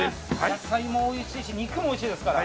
野菜もおいしいし肉もおいしいですから。